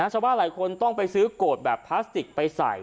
ชาวบ้านหลายคนต้องไปซื้อโกรธแบบพลาสติกไปใส่